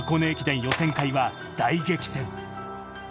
駅伝予選会は大激戦。